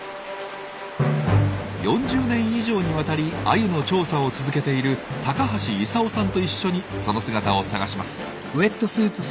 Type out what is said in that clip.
４０年以上にわたりアユの調査を続けている高橋勇夫さんと一緒にその姿を探します。